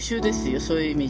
そういう意味じゃ。